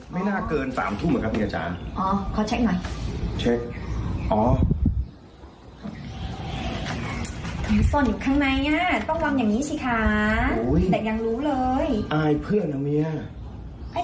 ไม่ใหญ่นี่มันใส่พอดีเลยนะปิดเอาไว้อุ่นใจ